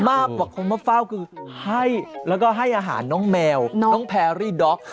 มากกว่าคนมาเฝ้าคือให้แล้วก็ให้อาหารน้องแมวน้องแพรรี่ด๊อก